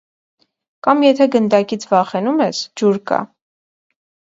Կամ, եթե գնդակից վախենում ես - ջուր կա.